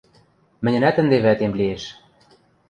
Мӹньӹнӓт ӹнде вӓтем лиэш.